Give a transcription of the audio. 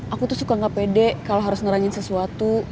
aku tuh suka gak pede kalau harus ngerangin sesuatu